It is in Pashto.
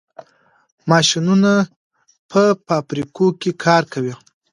ماشینونه په فابریکو کې کار کوي.